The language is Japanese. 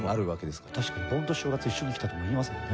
確かに「盆と正月一緒に来た」とも言いますもんね。